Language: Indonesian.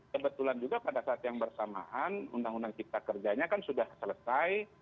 kebetulan juga pada saat yang bersamaan undang undang cipta kerjanya kan sudah selesai